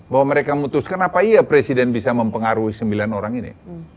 bahwa mereka memutuskan apa iya presiden bisa mempengaruhi sembilan orang ini